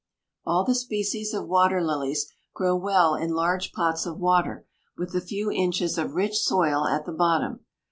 All the species of water lilies grow well in large pots of water with a few inches of rich soil at the bottom.